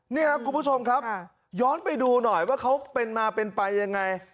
นี่ครับคุณผู้ชมครับย้อนไปดูหน่อยว่าเขาเป็นมาเป็นไปยังไง